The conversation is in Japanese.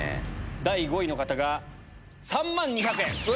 第５位の方が３万２００円。